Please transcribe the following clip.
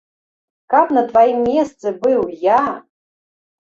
Каб на тваім месцы быў я!